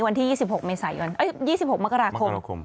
วันที่๒๖มกราคม